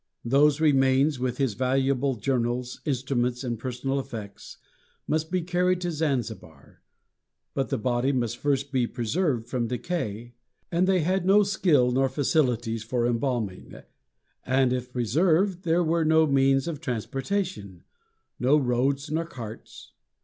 Those remains, with his valuable journals, instruments, and personal effects, must be carried to Zanzibar. But the body must first be preserved from decay, and they had no skill nor facilities for embalming; and if preserved, there were no means of transportation no roads nor carts.